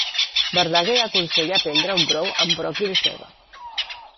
Verdaguer aconsella prendre un brou amb bròquil i ceba.